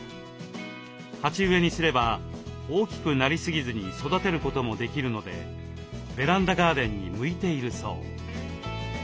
鉢植えにすれば大きくなりすぎずに育てることもできるのでベランダガーデンに向いているそう。